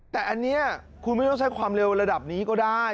แต่อันนี้คุณไม่ต้องใช้ความเร็วระดับนี้ก็ได้